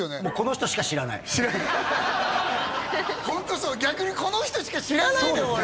もうこの人しか知らないホントそう逆にこの人しか知らないのよ